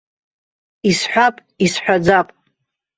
Исҳәап, исҳәаӡап!